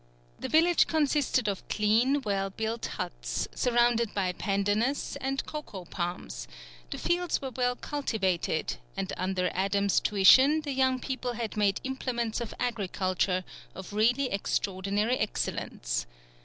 The village consisted of clean, well built huts, surrounded by pandanus and cocoa palms; the fields were well cultivated, and under Adams' tuition the young people had made implements of agriculture of really extraordinary excellence.